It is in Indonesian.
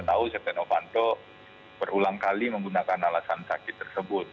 tahu sekretario panto berulang kali menggunakan alasan sakit tersebut